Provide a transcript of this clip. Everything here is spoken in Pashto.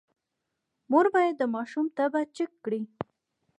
مور باید د ماشوم تبه چیک کړي۔